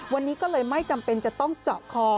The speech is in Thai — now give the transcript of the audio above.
วันนี้ก็เลยไม่จำเป็นจะต้องเจาะคอ